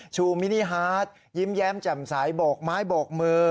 มินิฮาร์ดยิ้มแย้มแจ่มใสโบกไม้โบกมือ